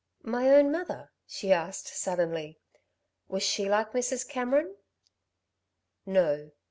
"My own mother," she asked suddenly. "Was she like Mrs. Cameron?" "No."